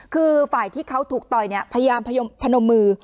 คือฝ่ายที่เขาถูกต่อยพยายามพนมมือ